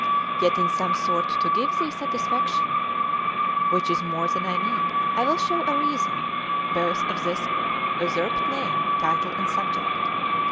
Yet in some sort to give thee satisfaction, which is more than I need, I will show a reason, both of this usurped name, title, and subject.